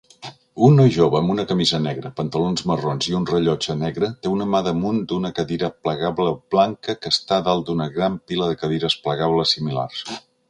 Un noi jove amb una camisa negra, pantalons marrons i un rellotge negre té una mà damunt d'una cadira plegable blanca que està dalt d'una gran pila de cadires plegables similars